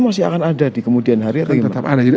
masih akan ada di kemudian hari atau gimana